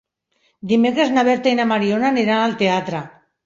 Dimecres na Berta i na Mariona aniran al teatre.